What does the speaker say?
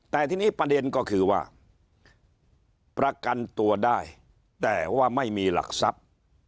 แต่ทีนี้ประเด็นก็คือว่าประกันตัวได้แต่ว่าไม่มีหลักทรัพย์